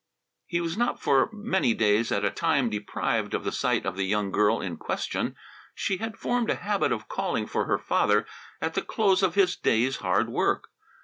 He was not for many days at a time deprived of the sight of the young girl in question. She had formed a habit of calling for her father at the close of his day's hard work.